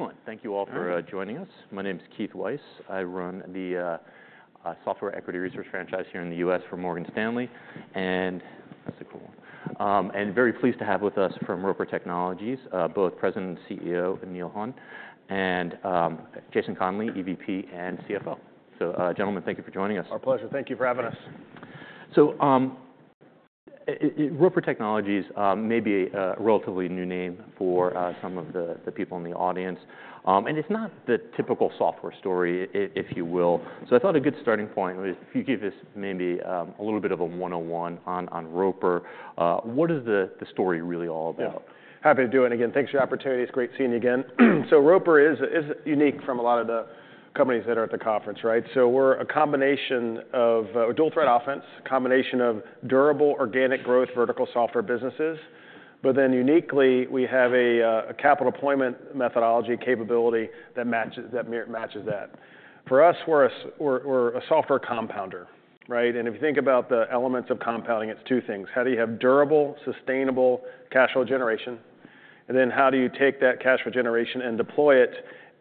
Excellent. Thank you all for joining us. My name is Keith Weiss. I run the software equity research franchise here in the U.S. for Morgan Stanley, and that's a cool one, and very pleased to have with us from Roper Technologies, both President and CEO Neil Hunn, and Jason Conley, EVP and CFO. So, gentlemen, thank you for joining us. Our pleasure. Thank you for having us. So Roper Technologies may be a relatively new name for some of the people in the audience. And it's not the typical software story, if you will. So I thought a good starting point was if you give us maybe a little bit of a 101 on Roper. What is the story really all about? Yeah. Happy to do it. And again, thanks for the opportunity. It's great seeing you again. So Roper is unique from a lot of the companies that are at the conference, right? So we're a combination of dual-threat offense, a combination of durable, organic growth, vertical software businesses. But then uniquely, we have a capital deployment methodology capability that matches that. For us, we're a software compounder, right? And if you think about the elements of compounding, it's two things. How do you have durable, sustainable cash flow generation? And then how do you take that cash flow generation and deploy it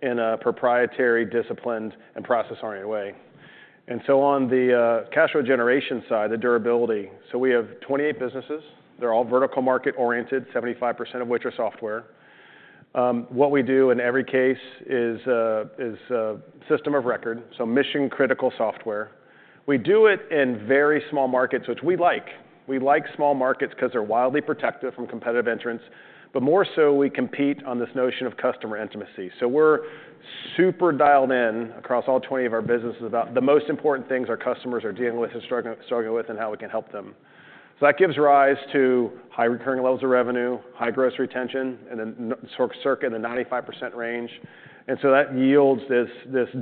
in a proprietary, disciplined, and process-oriented way? And so on the cash flow generation side, the durability. So we have 28 businesses. They're all vertical market-oriented, 75% of which are software. What we do in every case is a system of record, so mission-critical software. We do it in very small markets, which we like. We like small markets because they're wildly protective from competitive entrants. But more so, we compete on this notion of customer intimacy. So we're super dialed in across all 20 of our businesses about the most important things our customers are dealing with and struggling with and how we can help them. So that gives rise to high recurring levels of revenue, high gross retention, and then circuit in the 95% range. And so that yields this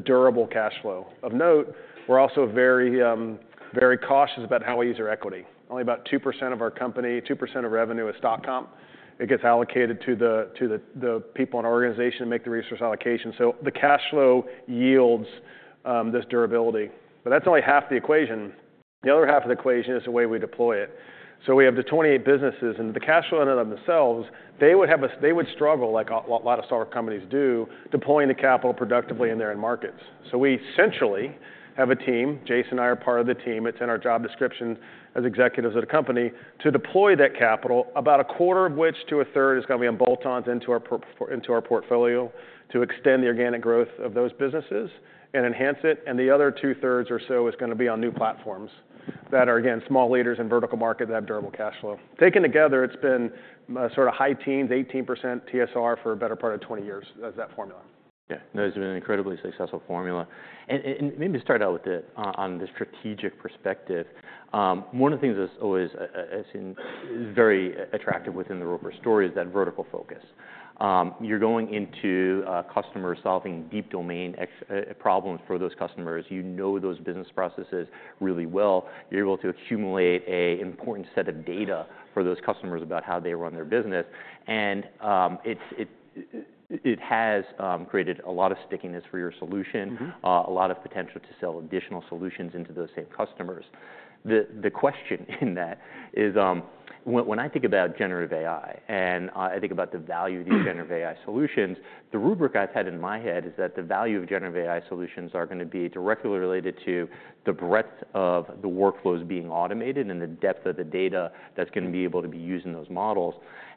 durable cash flow. Of note, we're also very cautious about how we use our equity. Only about 2% of our company, 2% of revenue is stock comp. It gets allocated to the people in our organization to make the resource allocation. So the cash flow yields this durability. But that's only half the equation. The other half of the equation is the way we deploy it. So we have the 28 businesses. And the cash flow in and of themselves, they would struggle, like a lot of software companies do, deploying the capital productively in their end markets. So we centrally have a team. Jason and I are part of the team. It's in our job description as executives at a company to deploy that capital, about a quarter of which to a third is going to be on bolt-ons into our portfolio to extend the organic growth of those businesses and enhance it. And the other two-thirds or so is going to be on new platforms that are, again, small leaders in vertical markets that have durable cash flow. Taken together, it's been sort of high teens, 18% TSR for a better part of 20 years as that formula. Yeah. No, it's been an incredibly successful formula, and maybe start out with it on the strategic perspective. One of the things that's always very attractive within the Roper story is that vertical focus. You're going into customers solving deep domain problems for those customers. You know those business processes really well. You're able to accumulate an important set of data for those customers about how they run their business. And it has created a lot of stickiness for your solution, a lot of potential to sell additional solutions into those same customers. The question in that is, when I think about generative AI and I think about the value of these generative AI solutions, the rubric I've had in my head is that the value of generative AI solutions are going to be directly related to the breadth of the workflows being automated and the depth of the data that's going to be able to be used in those models,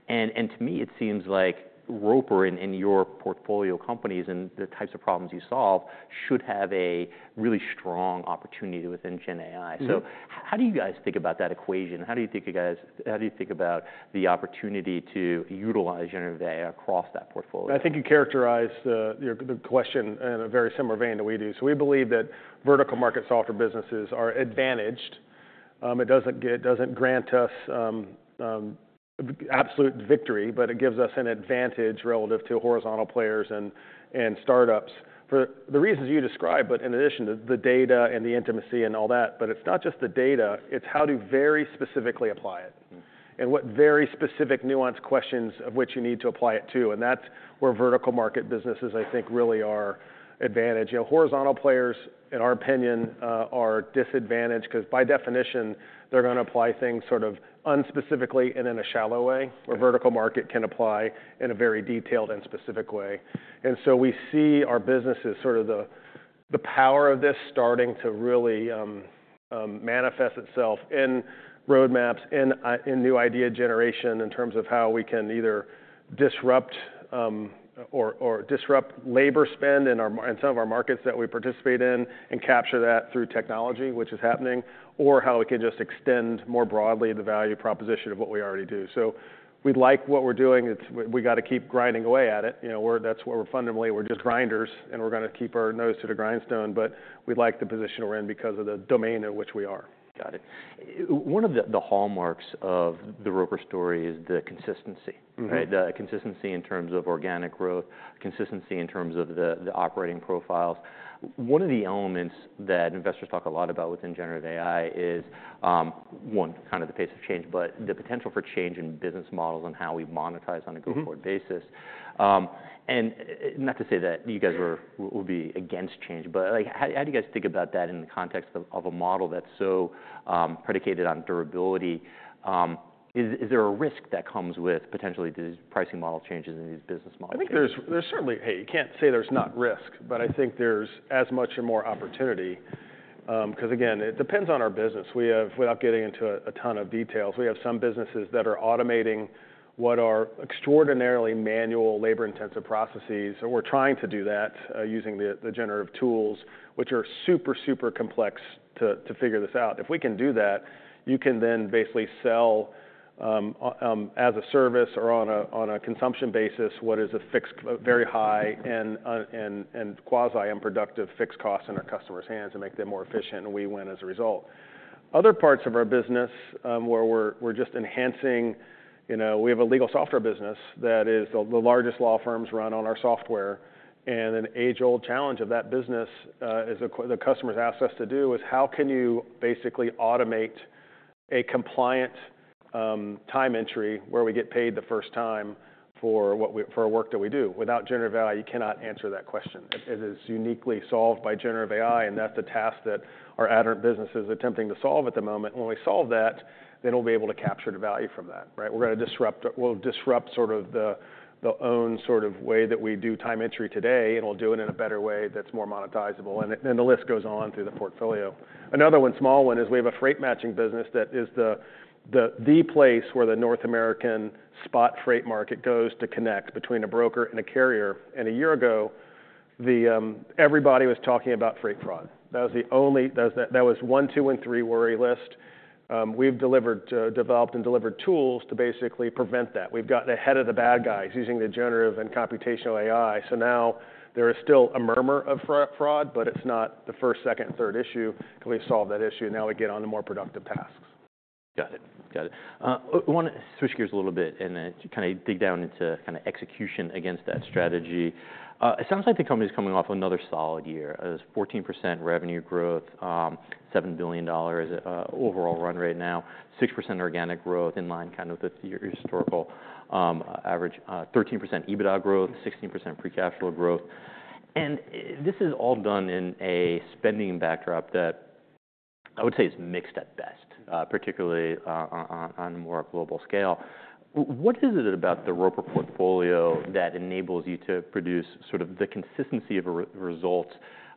and to me, it seems like Roper and your portfolio companies and the types of problems you solve should have a really strong opportunity within GenAI, so how do you guys think about that equation? How do you think you guys, how do you think about the opportunity to utilize generative AI across that portfolio? I think you characterized the question in a very similar vein to what we do. So we believe that vertical market software businesses are advantaged. It doesn't grant us absolute victory, but it gives us an advantage relative to horizontal players and startups for the reasons you described, but in addition to the data and the intimacy and all that. But it's not just the data. It's how do you very specifically apply it and what very specific nuanced questions of which you need to apply it to. And that's where vertical market businesses, I think, really are advantaged. Horizontal players, in our opinion, are disadvantaged because by definition, they're going to apply things sort of un-specifically and in a shallow way, where vertical market can apply in a very detailed and specific way. And so we see our businesses, sort of the power of this starting to really manifest itself in roadmaps, in new idea generation in terms of how we can either disrupt labor spend in some of our markets that we participate in and capture that through technology, which is happening, or how we can just extend more broadly the value proposition of what we already do. So we like what we're doing. We've got to keep grinding away at it. That's what we're fundamentally. We're just grinders, and we're going to keep our nose to the grindstone. But we like the position we're in because of the domain in which we are. Got it. One of the hallmarks of the Roper story is the consistency, right? The consistency in terms of organic growth, consistency in terms of the operating profiles. One of the elements that investors talk a lot about within generative AI is, one, kind of the pace of change, but the potential for change in business models and how we monetize on a go-forward basis. And not to say that you guys will be against change, but how do you guys think about that in the context of a model that's so predicated on durability? Is there a risk that comes with potentially these pricing model changes in these business models? I think there's certainly, hey, you can't say there's not risk, but I think there's as much and more opportunity because, again, it depends on our business. Without getting into a ton of details, we have some businesses that are automating what are extraordinarily manual, labor-intensive processes. So we're trying to do that using the generative tools, which are super, super complex to figure this out. If we can do that, you can then basically sell as a service or on a consumption basis what is a fixed, very high, and quasi-unproductive fixed cost in our customers' hands and make them more efficient, and we win as a result. Other parts of our business where we're just enhancing, we have a legal software business that the largest law firms run on our software. An age-old challenge of that business the customers asked us to do is how can you basically automate a compliant time entry where we get paid the first time for our work that we do? Without Generative AI, you cannot answer that question. It is uniquely solved by Generative AI, and that's a task that our Aderant business is attempting to solve at the moment. When we solve that, then we'll be able to capture the value from that, right? We're going to disrupt sort of the own sort of way that we do time entry today, and we'll do it in a better way that's more monetizable. And the list goes on through the portfolio. Another one, small one, is we have a freight matching business that is the place where the North American spot freight market goes to connect between a broker and a carrier. A year ago, everybody was talking about freight fraud. That was the only one, two, and three worry list. We've developed and delivered tools to basically prevent that. We've gotten ahead of the bad guys using the generative and computational AI. So now there is still a murmur of fraud, but it's not the first, second, and third issue because we've solved that issue. Now we get on to more productive tasks. Got it. Got it. I want to switch gears a little bit and kind of dig down into kind of execution against that strategy. It sounds like the company's coming off another solid year. It was 14% revenue growth, $7 billion overall run rate now, 6% organic growth in line kind of with your historical average, 13% EBITDA growth, 16% free cash flow growth. And this is all done in a spending backdrop that I would say is mixed at best, particularly on a more global scale. What is it about the Roper portfolio that enables you to produce sort of the consistency of results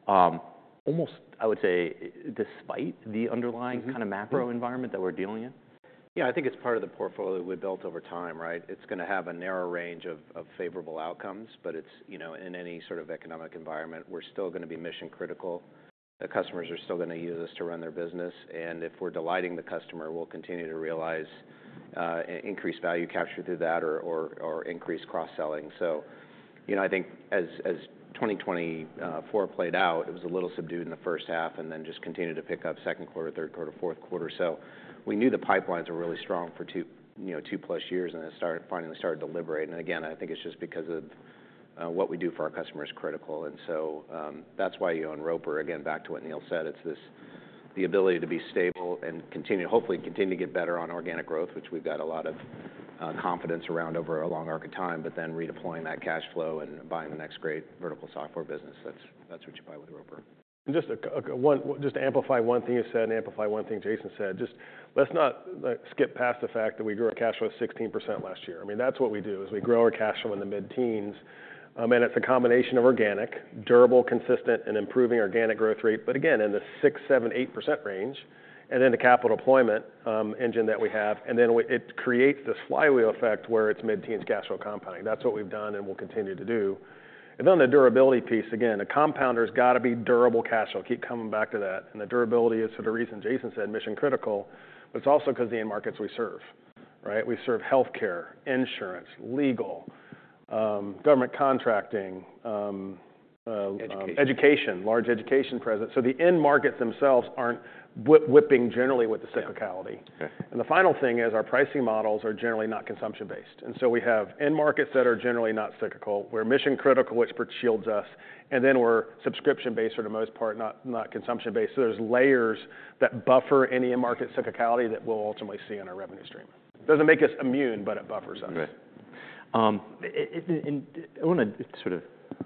almost, I would say, despite the underlying kind of macro environment that we're dealing in? Yeah. I think it's part of the portfolio we built over time, right? It's going to have a narrow range of favorable outcomes, but in any sort of economic environment, we're still going to be mission-critical. The customers are still going to use us to run their business. And if we're delighting the customer, we'll continue to realize increased value capture through that or increased cross-selling. So I think as 2024 played out, it was a little subdued in the first half and then just continued to pick up second quarter, third quarter, fourth quarter. So we knew the pipelines were really strong for two-plus years, and it finally started to liberate. And again, I think it's just because of what we do for our customers is critical. And so that's why you own Roper. Again, back to what Neil said, it's the ability to be stable and hopefully continue to get better on organic growth, which we've got a lot of confidence around over a long arc of time, but then redeploying that cash flow and buying the next great vertical software business. That's what you buy with Roper. And just to amplify one thing you said and amplify one thing Jason said, just let's not skip past the fact that we grew our cash flow 16% last year. I mean, that's what we do is we grow our cash flow in the mid-teens. And it's a combination of organic, durable, consistent, and improving organic growth rate, but again, in the 6%-8% range, and then the capital deployment engine that we have. And then it creates this flywheel effect where it's mid-teens cash flow compounding. That's what we've done and we'll continue to do. And then on the durability piece, again, a compounder has got to be durable cash flow. Keep coming back to that. And the durability is sort of the reason Jason said mission-critical, but it's also because of the end markets we serve, right? We serve healthcare, insurance, legal, government contracting. Education. Education, large education presence. So the end markets themselves aren't whipping generally with the cyclicality. And the final thing is our pricing models are generally not consumption-based. And so we have end markets that are generally not cyclical. We're mission-critical, which shields us. And then we're subscription-based for the most part, not consumption-based. So there's layers that buffer any end market cyclicality that we'll ultimately see in our revenue stream. It doesn't make us immune, but it buffers us. Right. And I want to sort of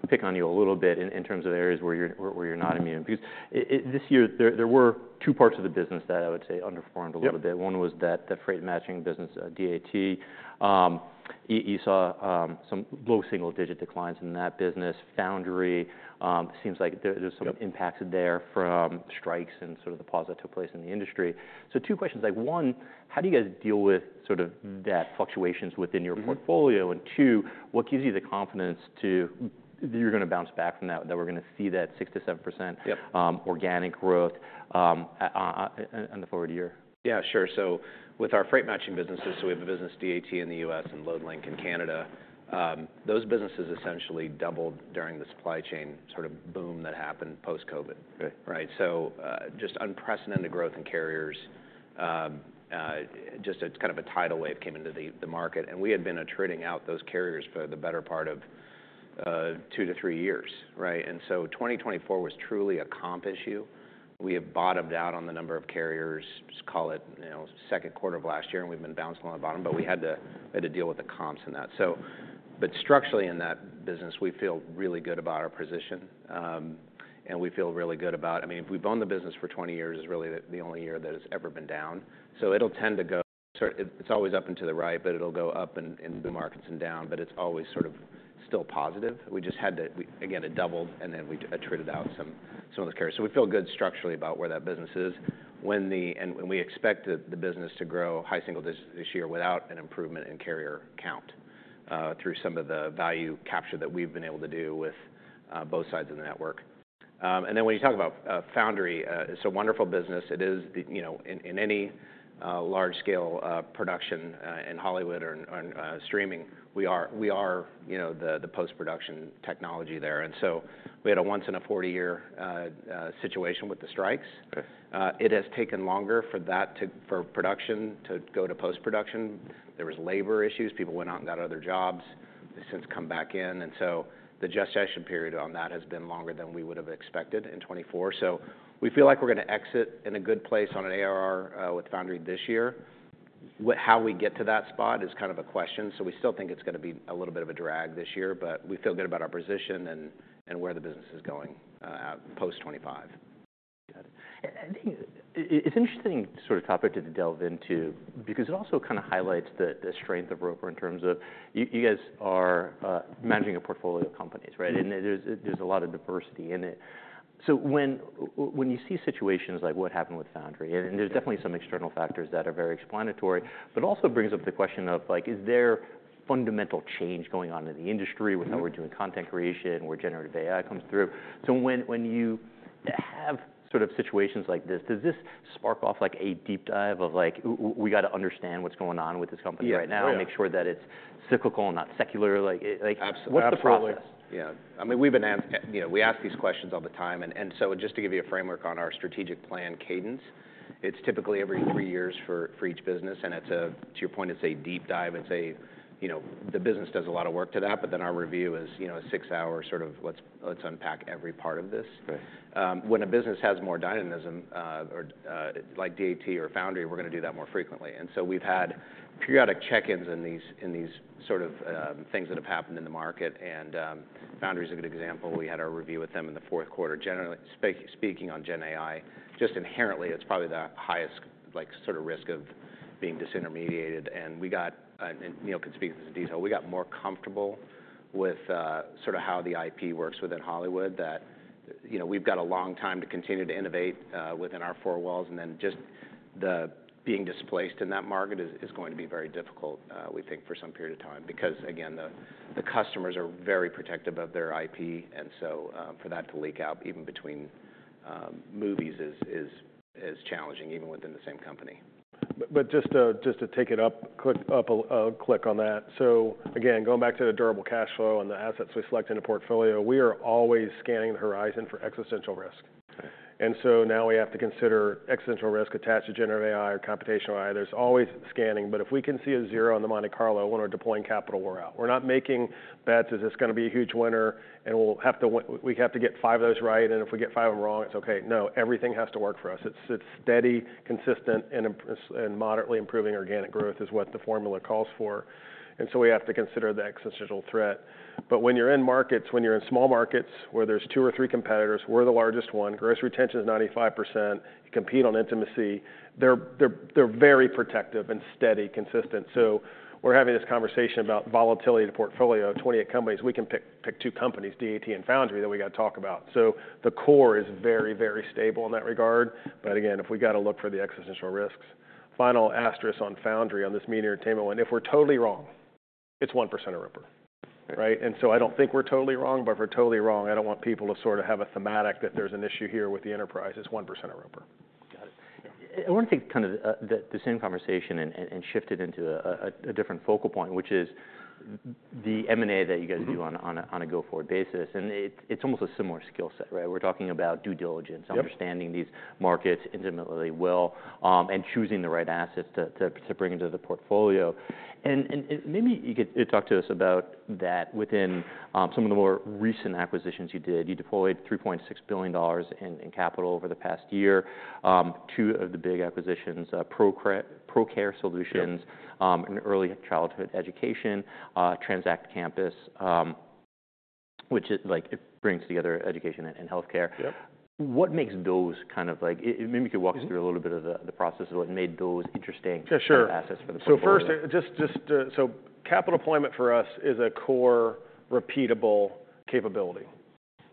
pick on you a little bit in terms of areas where you're not immune. Because this year, there were two parts of the business that I would say underperformed a little bit. One was that freight matching business, DAT. You saw some low single-digit declines in that business. Foundry seems like there's some impacts there from strikes and sort of the pause that took place in the industry. So two questions. One, how do you guys deal with sort of that fluctuations within your portfolio? And two, what gives you the confidence that you're going to bounce back from that, that we're going to see that 6%-7% organic growth in the forward year? Yeah, sure. So with our freight matching businesses, so we have a business, DAT, in the U.S. and Loadlink in Canada. Those businesses essentially doubled during the supply chain sort of boom that happened post-COVID, right? So just unprecedented growth in carriers. Just kind of a tidal wave came into the market. And we had been attriting out those carriers for the better part of two to three years, right? And so 2024 was truly a comp issue. We have bottomed out on the number of carriers, just call it second quarter of last year, and we've been bouncing on the bottom, but we had to deal with the comps and that. But structurally in that business, we feel really good about our position. And we feel really good about, I mean, we've owned the business for 20 years is really the only year that it's ever been down. So it'll tend to go sort of, it's always up and to the right, but it'll go up in new markets and down, but it's always sort of still positive. We just had to, again, it doubled, and then we attrited out some of those carriers. So we feel good structurally about where that business is. And we expect the business to grow high single digits this year without an improvement in carrier count through some of the value capture that we've been able to do with both sides of the network. And then when you talk about Foundry, it's a wonderful business. It is, in any large-scale production in Hollywood or streaming, we are the post-production technology there. And so we had a once-in-a-40-year situation with the strikes. It has taken longer for production to go to post-production. There were labor issues. People went out and got other jobs. They've since come back in. And so the gestation period on that has been longer than we would have expected in 2024. So we feel like we're going to exit in a good place on an ARR with Foundry this year. How we get to that spot is kind of a question. So we still think it's going to be a little bit of a drag this year, but we feel good about our position and where the business is going post 2025. Got it. It's an interesting sort of topic to delve into because it also kind of highlights the strength of Roper in terms of you guys are managing a portfolio of companies, right? And there's a lot of diversity in it. So when you see situations like what happened with Foundry, and there's definitely some external factors that are very explanatory, but it also brings up the question of, is there fundamental change going on in the industry with how we're doing content creation where generative AI comes through? So when you have sort of situations like this, does this spark off a deep dive of, we got to understand what's going on with this company right now and make sure that it's cyclical and not secular? What's the process? Absolutely. Yeah. I mean, we ask these questions all the time, and so just to give you a framework on our strategic plan cadence, it's typically every three years for each business, and to your point, it's a deep dive. The business does a lot of work to that, but then our review is a six-hour sort of, let's unpack every part of this. When a business has more dynamism, like DAT or Foundry, we're going to do that more frequently, and so we've had periodic check-ins in these sort of things that have happened in the market, and Foundry is a good example. We had our review with them in the fourth quarter, generally speaking on GenAI. Just inherently, it's probably the highest sort of risk of being disintermediated, and Neil could speak to this in detail. We got more comfortable with sort of how the IP works within Hollywood that we've got a long time to continue to innovate within our four walls, and then just the being displaced in that market is going to be very difficult, we think, for some period of time because, again, the customers are very protective of their IP, and so for that to leak out even between movies is challenging, even within the same company. But just to take it up, click on that. So again, going back to the durable cash flow and the assets we select in a portfolio, we are always scanning the horizon for existential risk. And so now we have to consider existential risk attached to generative AI or computational AI. There's always scanning, but if we can see a zero on the Monte Carlo when we're deploying capital, we're out. We're not making bets. Is this going to be a huge winner and we have to get five of those right? And if we get five of them wrong, it's okay. No, everything has to work for us. It's steady, consistent, and moderately improving organic growth is what the formula calls for. And so we have to consider the existential threat. But when you're in markets, when you're in small markets where there's two or three competitors, we're the largest one. Gross retention is 95%. You compete on intimacy. They're very protective and steady, consistent. So we're having this conversation about volatility to portfolio, 28 companies. We can pick two companies, DAT and Foundry, that we got to talk about. So the core is very, very stable in that regard. But again, if we got to look for the existential risks. Final asterisk on Foundry on this media entertainment one, if we're totally wrong, it's 1% of Roper, right? And so I don't think we're totally wrong, but if we're totally wrong, I don't want people to sort of have a thematic that there's an issue here with the enterprise. It's 1% of Roper. Got it. I want to take kind of the same conversation and shift it into a different focal point, which is the M&A that you guys do on a go-forward basis, and it's almost a similar skill set, right? We're talking about due diligence, understanding these markets intimately well, and choosing the right assets to bring into the portfolio, and maybe you could talk to us about that within some of the more recent acquisitions you did. You deployed $3.6 billion in capital over the past year. Two of the big acquisitions, Procare Solutions and early childhood education, Transact Campus, which brings together education and healthcare. What makes those kind of, maybe you could walk us through a little bit of the process of what made those interesting assets for the portfolio? So first, just so capital deployment for us is a core repeatable capability,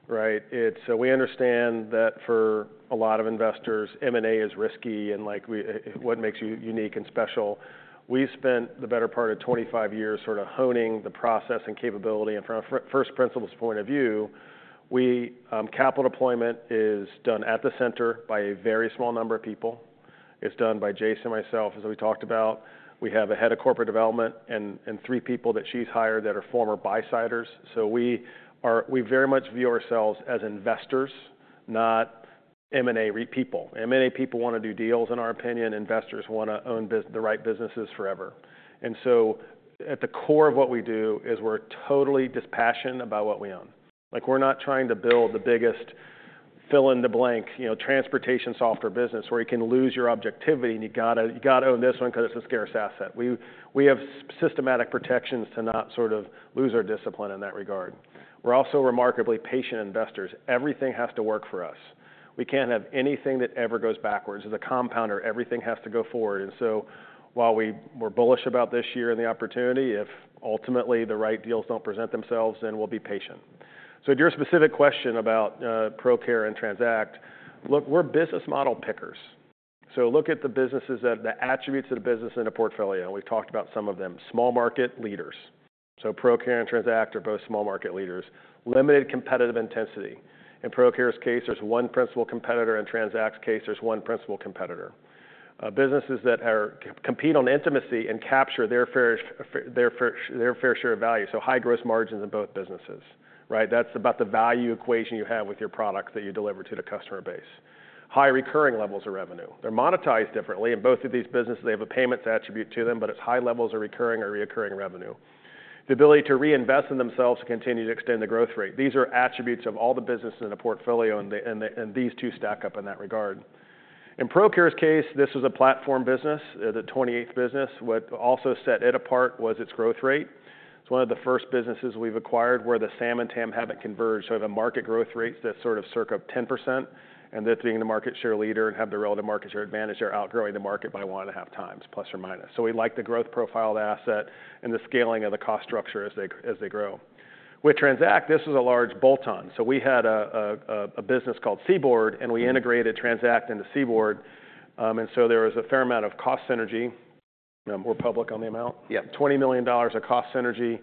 right? We understand that for a lot of investors, M&A is risky and what makes you unique and special. We spent the better part of 25 years sort of honing the process and capability, and from a first principles point of view, capital deployment is done at the center by a very small number of people. It's done by Jason and myself, as we talked about. We have a head of corporate development and three people that she's hired that are former buy-siders, so we very much view ourselves as investors, not M&A people. M&A people want to do deals, in our opinion. Investors want to own the right businesses forever, and so at the core of what we do is we're totally dispassionate about what we own. We're not trying to build the biggest fill-in-the-blank transportation software business where you can lose your objectivity and you got to own this one because it's a scarce asset. We have systematic protections to not sort of lose our discipline in that regard. We're also remarkably patient investors. Everything has to work for us. We can't have anything that ever goes backwards. As a compounder, everything has to go forward. And so while we're bullish about this year and the opportunity, if ultimately the right deals don't present themselves, then we'll be patient. So to your specific question about Procare and Transact, look, we're business model pickers. So look at the businesses, the attributes of the business in a portfolio. We've talked about some of them. Small market leaders. So Procare and Transact are both small market leaders. Limited competitive intensity. In Procare's case, there's one principal competitor. In Transact's case, there's one principal competitor. Businesses that compete on intimacy and capture their fair share of value. So high gross margins in both businesses, right? That's about the value equation you have with your products that you deliver to the customer base. High recurring levels of revenue. They're monetized differently. In both of these businesses, they have a payments attribute to them, but it's high levels of recurring or reoccurring revenue. The ability to reinvest in themselves to continue to extend the growth rate. These are attributes of all the businesses in a portfolio, and these two stack up in that regard. In Procare's case, this was a platform business, the 28th business. What also set it apart was its growth rate. It's one of the first businesses we've acquired where the SAM and TAM haven't converged. We have a market growth rate that sort of circa 10%, and they're being the market share leader and have the relative market share advantage. They're outgrowing the market by one and a half times, plus or minus. We like the growth profile of the asset and the scaling of the cost structure as they grow. With Transact, this was a large bolt-on. We had a business called CBORD, and we integrated Transact into CBORD. And so there was a fair amount of cost synergy. We're public on the amount. $20 million of cost synergy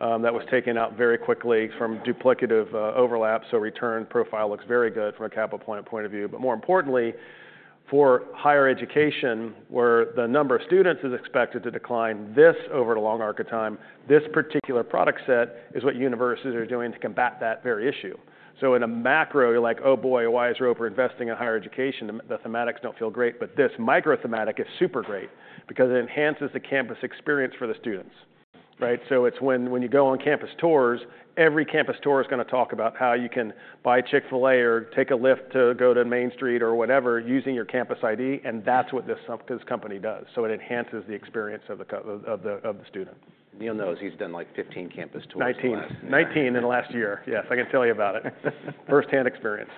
that was taken out very quickly from duplicative overlap. Return profile looks very good from a capital point of view. But more importantly, for higher education, where the number of students is expected to decline this over a long arc of time, this particular product set is what universities are doing to combat that very issue. So in a macro, you're like, "Oh boy, why is Roper investing in higher education?" The thematics don't feel great, but this micro-thematic is super great because it enhances the campus experience for the students, right? So when you go on campus tours, every campus tour is going to talk about how you can buy Chick-fil-A or take a Lyft to go to Main Street or whatever using your campus ID, and that's what this company does. So it enhances the experience of the student. Neil knows he's done like 15 campus tours for us. 19, 19 in the last year. Yes, I can tell you about it. First hand experience.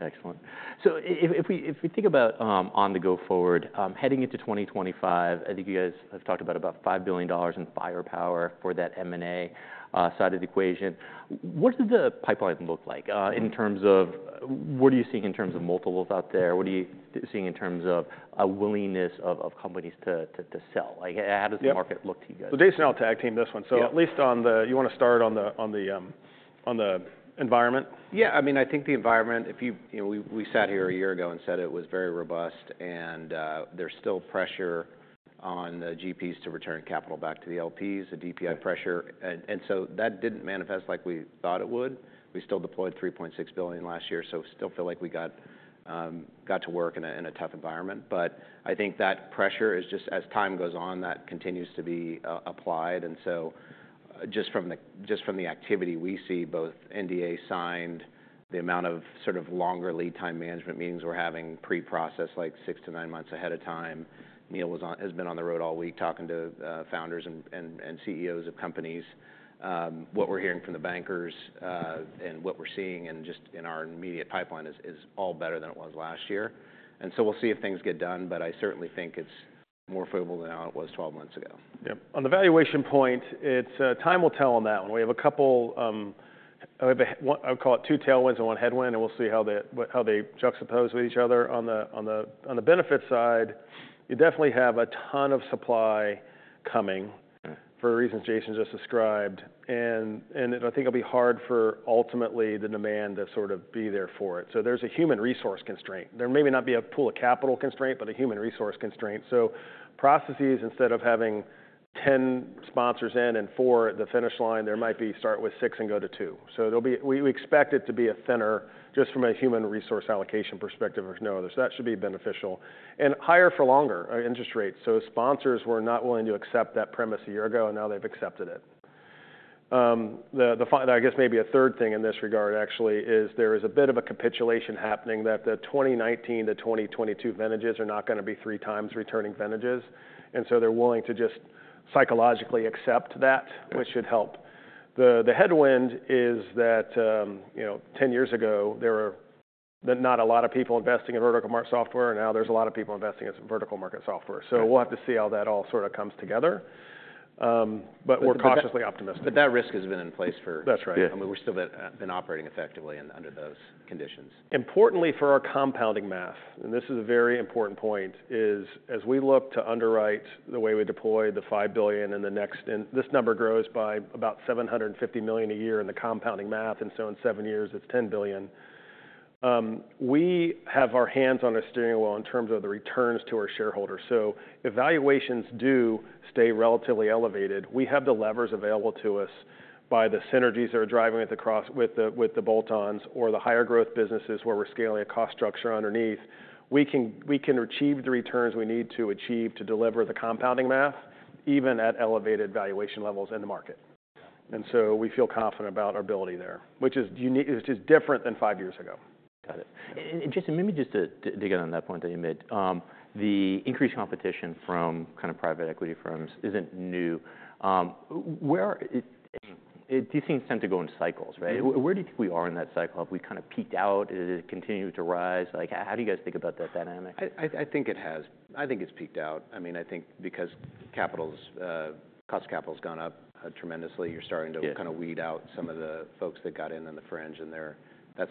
Excellent. If we think about on the go-forward, heading into 2025, I think you guys have talked about $5 billion in firepower for that M&A side of the equation. What does the pipeline look like in terms of what are you seeing in terms of multiples out there? What are you seeing in terms of a willingness of companies to sell? How does the market look to you guys? Jason will tag team this one. At least on the, you want to start on the environment? Yeah. I mean, I think the environment we sat here a year ago and said it was very robust, and there's still pressure on the GPs to return capital back to the LPs, the DPI pressure. And so that didn't manifest like we thought it would. We still deployed $3.6 billion last year. So we still feel like we got to work in a tough environment. But I think that pressure is just as time goes on, that continues to be applied. And so just from the activity we see, both NDA signed, the amount of sort of longer lead time management meetings we're having pre-processed like six to nine months ahead of time. Neil has been on the road all week talking to founders and CEOs of companies. What we're hearing from the bankers and what we're seeing and just in our immediate pipeline is all better than it was last year, and so we'll see if things get done, but I certainly think it's more favorable than how it was 12 months ago. Yep. On the valuation point, time will tell on that one. We have a couple, I'll call it two tailwinds and one headwind, and we'll see how they just oppose with each other. On the benefit side, you definitely have a ton of supply coming for reasons Jason just described. And I think it'll be hard for ultimately the demand to sort of be there for it. So there's a human resource constraint. There may not be a pool of capital constraint, but a human resource constraint. So processes, instead of having 10 sponsors in and four at the finish line, there might be start with six and go to two. So we expect it to be a thinner just from a human resource allocation perspective or no other. So that should be beneficial. And higher for longer interest rates. So sponsors were not willing to accept that premise a year ago, and now they've accepted it. I guess maybe a third thing in this regard actually is there is a bit of a capitulation happening that the 2019 to 2022 vintages are not going to be three times returning vintages. And so they're willing to just psychologically accept that, which should help. The headwind is that 10 years ago, there were not a lot of people investing in vertical market software, and now there's a lot of people investing in vertical market software. So we'll have to see how that all sort of comes together. But we're cautiously optimistic. But that risk has been in place for. That's right. I mean, we've still been operating effectively under those conditions. Importantly for our compounding math, and this is a very important point, is as we look to underwrite the way we deploy the $5 billion in the next, and this number grows by about $750 million a year in the compounding math, and so in seven years, it's $10 billion. We have our hands on our steering wheel in terms of the returns to our shareholders, so if valuations do stay relatively elevated, we have the levers available to us by the synergies that are driving it across with the bolt-ons or the higher growth businesses where we're scaling a cost structure underneath. We can achieve the returns we need to achieve to deliver the compounding math even at elevated valuation levels in the market, and so we feel confident about our ability there, which is just different than five years ago. Got it, maybe just to dig in on that point that you made. The increased competition from kind of private equity firms isn't new. Do you think it's time to go in cycles, right? Where do you think we are in that cycle? Have we kind of peaked out? Did it continue to rise? How do you guys think about that dynamic? I think it has. I think it's peaked out. I mean, I think because cost of capital has gone up tremendously, you're starting to kind of weed out some of the folks that got in on the fringe, and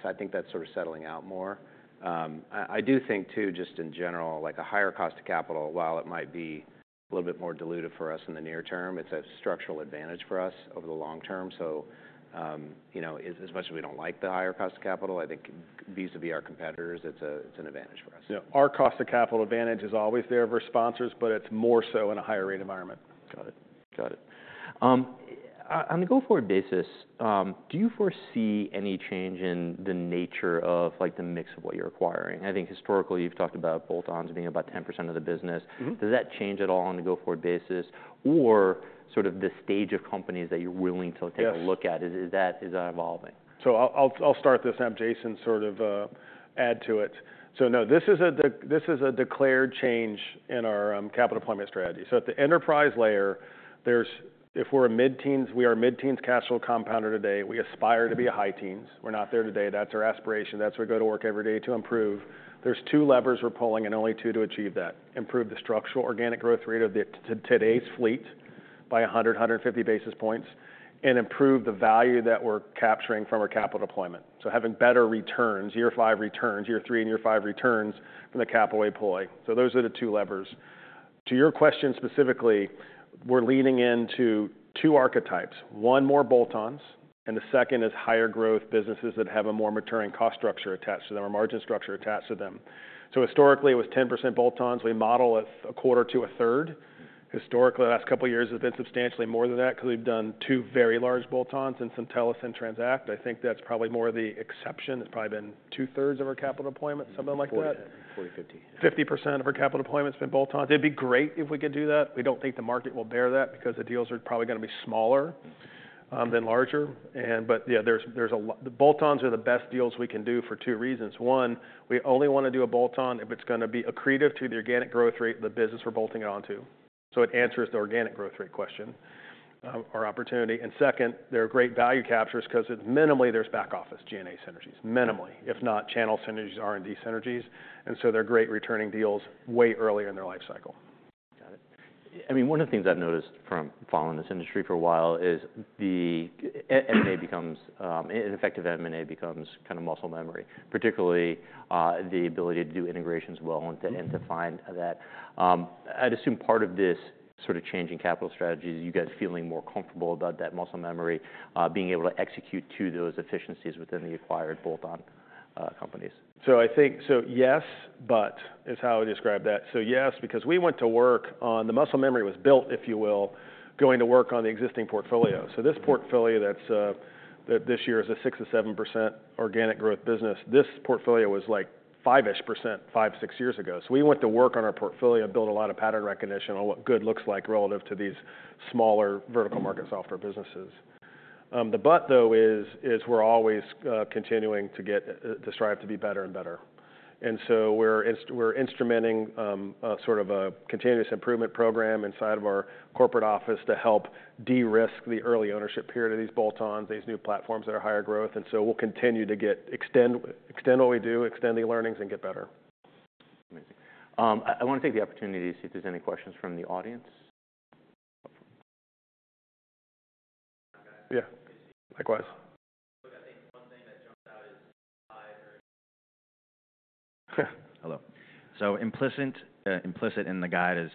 I think that's sort of settling out more. I do think too, just in general, like a higher cost of capital, while it might be a little bit more diluted for us in the near term, it's a structural advantage for us over the long term. So as much as we don't like the higher cost of capital, I think vis-à-vis our competitors, it's an advantage for us. Our cost of capital advantage is always there for sponsors, but it's more so in a higher rate environment. Got it. Got it. On the go-forward basis, do you foresee any change in the nature of the mix of what you're acquiring? I think historically you've talked about bolt-ons being about 10% of the business. Does that change at all on the go-forward basis? Or sort of the stage of companies that you're willing to take a look at, is that evolving? I'll start this and have Jason sort of add to it. No, this is a declared change in our capital deployment strategy. At the enterprise layer, if we're a mid-teens, we are a mid-teens cash flow compounder today. We aspire to be a high teens. We're not there today. That's our aspiration. That's what we go to work every day to improve. There are two levers we're pulling and only two to achieve that, improve the structural organic growth rate of today's fleet by 100-150 basis points, and improve the value that we're capturing from our capital deployment. So having better returns, year five returns, year three and year five returns from the capital we deploy. So those are the two levers. To your question specifically, we're leaning into two archetypes. One more bolt-ons, and the second is higher growth businesses that have a more maturing cost structure attached to them, a margin structure attached to them. So historically, it was 10% bolt-ons. We model a quarter to a third. Historically, the last couple of years has been substantially more than that because we've done two very large bolt-ons and Syntellis and Transact. I think that's probably more of the exception. It's probably been two-thirds of our capital deployment, something like that. 40, 50. 50% of our capital deployment has been bolt-ons. It'd be great if we could do that. We don't think the market will bear that because the deals are probably going to be smaller than larger. But yeah, bolt-ons are the best deals we can do for two reasons. One, we only want to do a bolt-on if it's going to be accretive to the organic growth rate of the business we're bolting it onto. So it answers the organic growth rate question, our opportunity. And second, they're great value captures because minimally there's back office G&A synergies, minimally, if not channel synergies, R&D synergies. And so they're great returning deals way earlier in their life cycle. Got it. I mean, one of the things I've noticed from following this industry for a while is the M&A becomes, an effective M&A becomes kind of muscle memory, particularly the ability to do integrations well and to find that. I'd assume part of this sort of changing capital strategy is you guys feeling more comfortable about that muscle memory, being able to execute to those efficiencies within the acquired bolt-on companies. So I think, so yes, but is how I describe that. So yes, because we went to work on the muscle memory was built, if you will, going to work on the existing portfolio. So this portfolio that this year is a 6%-7% organic growth business, this portfolio was like 5%-ish five, six years ago. So we went to work on our portfolio and built a lot of pattern recognition on what good looks like relative to these smaller vertical market software businesses. The but though is we're always continuing to strive to be better and better. And so we're instrumenting sort of a continuous improvement program inside of our corporate office to help de-risk the early ownership period of these bolt-ons, these new platforms that are higher growth. And so we'll continue to extend what we do, extend the learnings, and get better. Amazing. I want to take the opportunity to see if there's any questions from the audience. Yeah. Likewise. Hello. So implicit in the guide is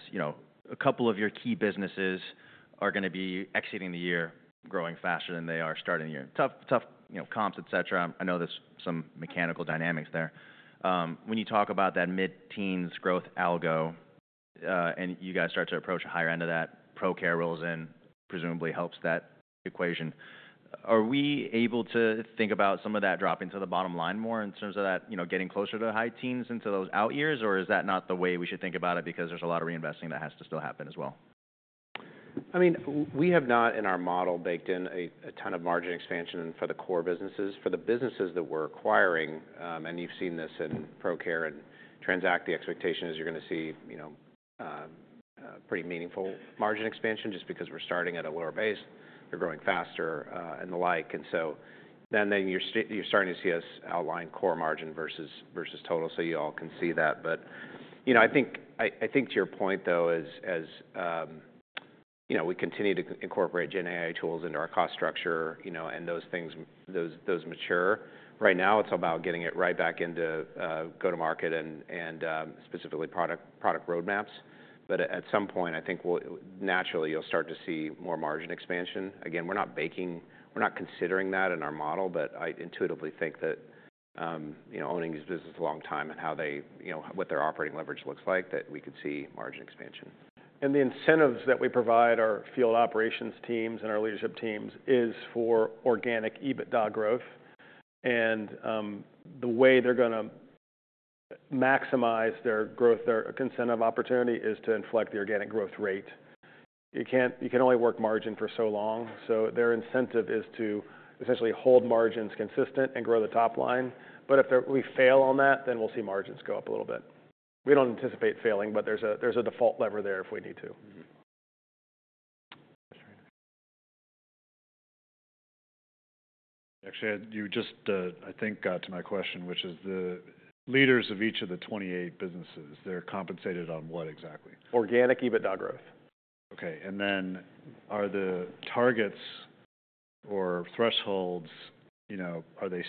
a couple of your key businesses are going to be exiting the year growing faster than they are starting the year. Tough comps, et cetera. I know there's some mechanical dynamics there. When you talk about that mid-teens growth algo, and you guys start to approach the higher end of that, Procare rolls in, presumably helps that equation. Are we able to think about some of that dropping to the bottom line more in terms of that getting closer to high teens into those out years? Or is that not the way we should think about it because there's a lot of reinvesting that has to still happen as well? I mean, we have not in our model baked in a ton of margin expansion for the core businesses. For the businesses that we're acquiring, and you've seen this in Procare and Transact, the expectation is you're going to see pretty meaningful margin expansion just because we're starting at a lower base. They're growing faster and the like. And so then you're starting to see us outline core margin versus total. So you all can see that. But I think to your point though, as we continue to incorporate GenAI tools into our cost structure and those things mature, right now it's about getting it right back into go-to-market and specifically product roadmaps. But at some point, I think naturally you'll start to see more margin expansion. Again, we're not baking, we're not considering that in our model, but I intuitively think that owning these businesses a long time and what their operating leverage looks like, that we could see margin expansion. The incentives that we provide our field operations teams and our leadership teams is for organic EBITDA growth. The way they're going to maximize their growth, their incentive opportunity is to inflect the organic growth rate. You can only work margin for so long. Their incentive is to essentially hold margins consistent and grow the top line. If we fail on that, then we'll see margins go up a little bit. We don't anticipate failing, but there's a default lever there if we need to. Actually, you just, I think, got to my question, which is the leaders of each of the 28 businesses, they're compensated on what exactly? Organic EBITDA growth. Okay. And then, are the targets or thresholds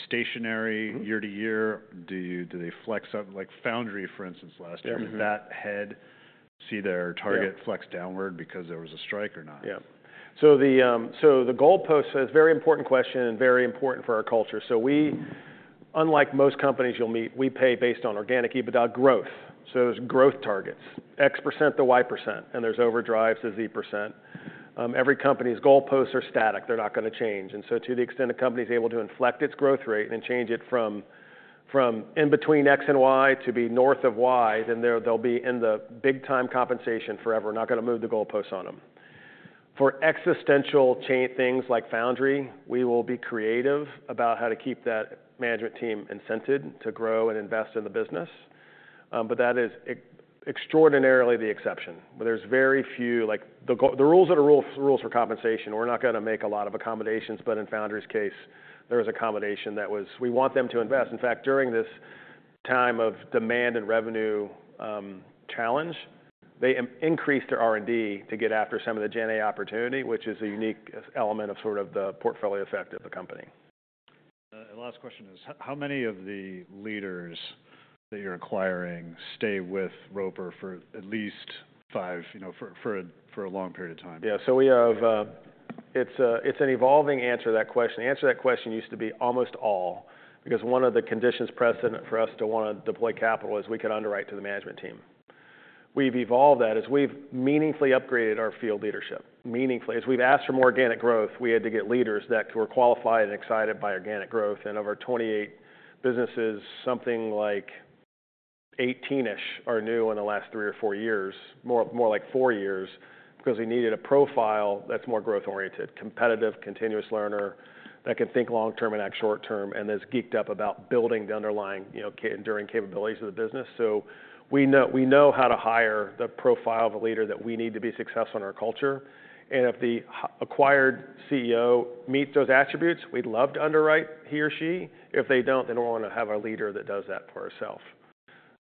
stationary year to year? Do they flex up? Like Foundry, for instance, last year, did that head see their target flex downward because there was a strike or not? Yeah. So the goalpost says, very important question and very important for our culture. So we, unlike most companies you'll meet, we pay based on organic EBITDA growth. So there's growth targets, X% to Y%, and there's overdrives as Z%. Every company's goalposts are static. They're not going to change. And so to the extent a company is able to inflect its growth rate and change it from in between X and Y to be north of Y, then they'll be in the big time compensation forever. Not going to move the goalposts on them. For existential things like Foundry, we will be creative about how to keep that management team incented to grow and invest in the business. But that is extraordinarily the exception. There's very few, like the rules are the rules for compensation. We're not going to make a lot of accommodations, but in Foundry's case, there was accommodation that was, we want them to invest. In fact, during this time of demand and revenue challenge, they increased their R&D to get after some of the GenAI opportunity, which is a unique element of sort of the portfolio effect of the company. Last question is, how many of the leaders that you're acquiring stay with Roper for at least five for a long period of time? Yeah. So we have. It's an evolving answer to that question. The answer to that question used to be almost all because one of the conditions precedent for us to want to deploy capital is we could underwrite to the management team. We've evolved that as we've meaningfully upgraded our field leadership. Meaningfully, as we've asked for more organic growth, we had to get leaders that were qualified and excited by organic growth. And of our 28 businesses, something like 18-ish are new in the last three or four years, more like four years because we needed a profile that's more growth-oriented, competitive, continuous learner that can think long-term and act short-term and is geeked up about building the underlying enduring capabilities of the business. So we know how to hire the profile of a leader that we need to be successful in our culture. If the acquired CEO meets those attributes, we'd love to underwrite he or she. If they don't, then we want to have a leader that does that for ourselves,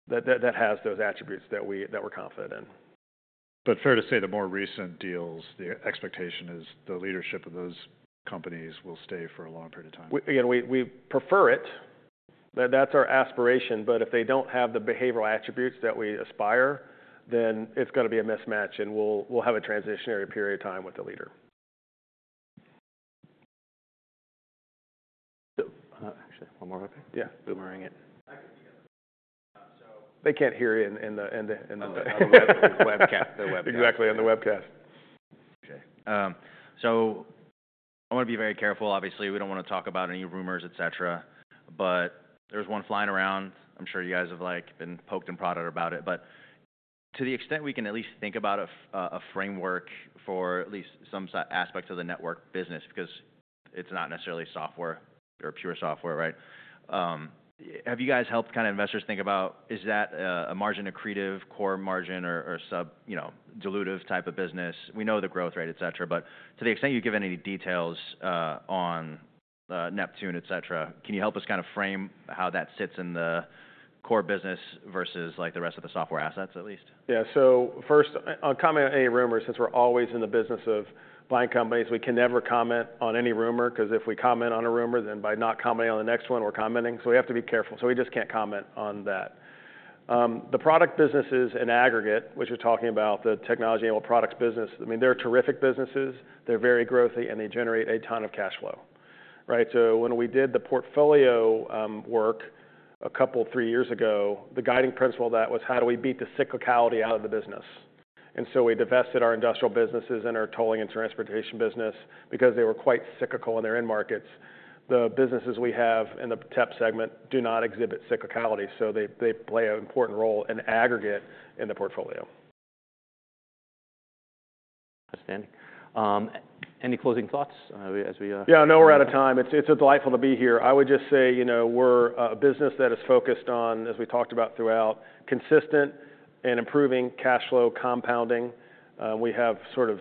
that has those attributes that we're confident in. But fair to say the more recent deals, the expectation is the leadership of those companies will stay for a long period of time. Again, we prefer it. That's our aspiration. But if they don't have the behavioral attributes that we aspire, then it's going to be a mismatch and we'll have a transitionary period of time with the leader. Actually, one more quick thing. Yeah. Boomerang it. I can be on the. They can't hear you in the webcast. Exactly, in the webcast. Okay. So I want to be very careful. Obviously, we don't want to talk about any rumors, et cetera. But there's one flying around. I'm sure you guys have been poked and prodded about it. But to the extent we can at least think about a framework for at least some aspects of the network business because it's not necessarily software or pure software, right? Have you guys helped kind of investors think about, is that a margin accretive, core margin, or sub dilutive type of business? We know the growth rate, et cetera. But to the extent you give any details on Neptune, et cetera, can you help us kind of frame how that sits in the core business versus the rest of the software assets at least? Yeah. So first, a comment on any rumor, since we're always in the business of buying companies, we can never comment on any rumor because if we comment on a rumor, then by not commenting on the next one, we're commenting. So we have to be careful. So we just can't comment on that. The product businesses in aggregate, which you're talking about, the technology and products business, I mean, they're terrific businesses. They're very growthy and they generate a ton of cash flow. So when we did the portfolio work a couple, three years ago, the guiding principle of that was how do we beat the cyclicality out of the business? And so we divested our industrial businesses and our tolling and transportation business because they were quite cyclical in their end markets. The businesses we have in the tech segment do not exhibit cyclicality. So they play an important role in aggregate in the portfolio. Outstanding. Any closing thoughts as we? Yeah, I know we're out of time. It's delightful to be here. I would just say we're a business that is focused on, as we talked about throughout, consistent and improving cash flow compounding. We have sort of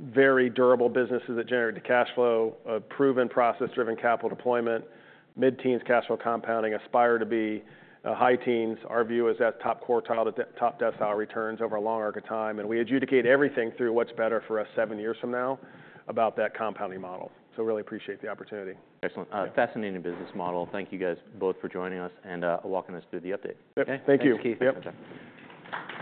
very durable businesses that generate the cash flow, proven process-driven capital deployment, mid-teens cash flow compounding, aspire to be high teens. Our view is that top quartile, top decile returns over a long arc of time, and we adjudicate everything through what's better for us seven years from now about that compounding model. So, really appreciate the opportunity. Excellent. Fascinating business model. Thank you guys both for joining us and walking us through the update. Yep. Thank you. Thanks, Keith.